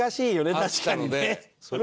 確かにね。